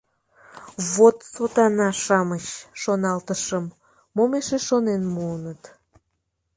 Вот сотана-шамыч, шоналтышым, мом эше шонен муыныт.